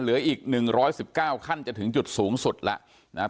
เหลืออีกหนึ่งร้อยสิบเก้าขั้นจะถึงจุดสูงสุดแล้วนะฮะ